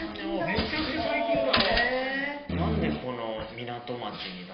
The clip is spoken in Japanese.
めちゃくちゃ最近だ。